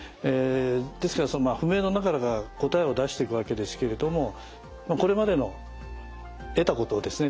ですから不明の中から答えを出していくわけですけれどもこれまでの得たことをですね